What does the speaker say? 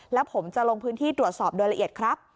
แล้วผมจะลงพื้นที่ตรวจสอบโดยละเอียดครับ